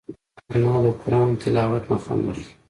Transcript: انا له قرآن تلاوت نه خوند اخلي